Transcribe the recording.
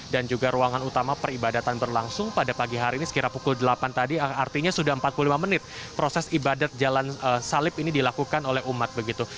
dan juga ruangan utama peribadatan berlangsung pada pagi hari ini sekira pukul delapan tadi artinya sudah empat puluh lima menit proses ibadat jalan salib ini dilakukan oleh umat begitu